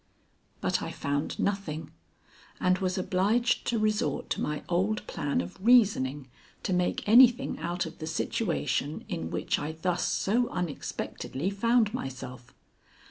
But I found nothing, and was obliged to resort to my old plan of reasoning to make anything out of the situation in which I thus so unexpectedly found myself.